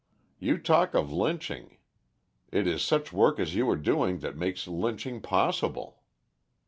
You talk of lynching; it is such work as you are doing that makes lynching possible.